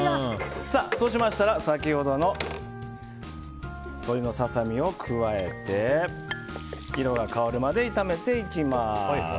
そうしましたら、先ほどの鶏のササミを加えて色が変わるまで炒めていきます。